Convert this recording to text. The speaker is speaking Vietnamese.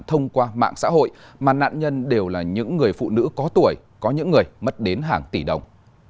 thông qua mạng xã hội mà nạn nhân đều là những người phụ nữ có tuổi có những người mất đến hàng tỷ đồng